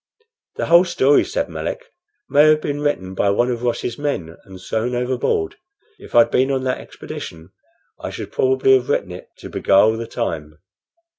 "The whole story," said Melick, "may have been written by one of Ross's men and thrown overboard. If I'd been on that expedition I should probably have written it to beguile the time."